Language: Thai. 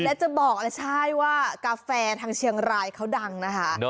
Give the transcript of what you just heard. ก็จะบอกว่ากาแฟทางเชียงรายเขาดังนะคะ